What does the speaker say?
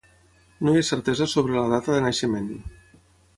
No hi ha certesa sobre la dats de naixement.